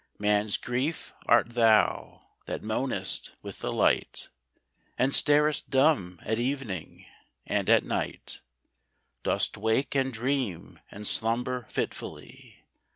Man's Grief art thou, that moanest with the light, And starest dumb at evening — and at night Dost wake and dream and slumber fitfully